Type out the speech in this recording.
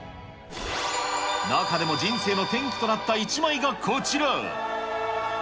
中でも人生の転機となった１枚がこちら。